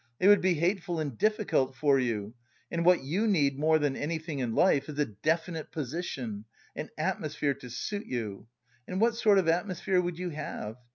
It would be hateful and difficult for you, and what you need more than anything in life is a definite position, an atmosphere to suit you. And what sort of atmosphere would you have?